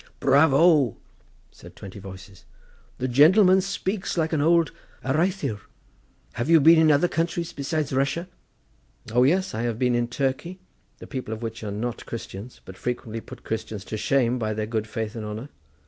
"Bravo!" said twenty voices; "the gentleman speaks like an areithiwr. Have you been in other countries besides Russia?" "O yes! I have been in Turkey, the people of which are not Christians, but frequently put Christians to shame by their good faith and honesty.